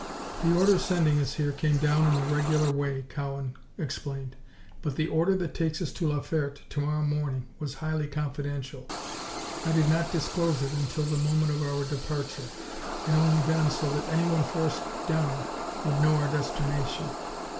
"The order sending us here came down in the regular way," Cowan explained, "but the order that takes us to La Ferte, to morrow morning, was highly confidential. I did not disclose it until the moment of our departure, and only then so that anyone forced down would know our destination.